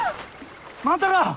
万太郎！？